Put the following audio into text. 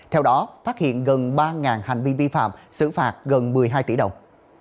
theo đó phát hiện gần ba hành vi vi phạm xử phạt gần một mươi hai tỷ đồng